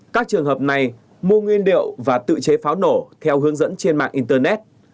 các trường hợp này mua nguyên liệu và tự chế pháo nổ theo hướng dẫn trên mạng internet